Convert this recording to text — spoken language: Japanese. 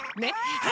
はい。